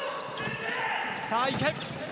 さあ、いけ。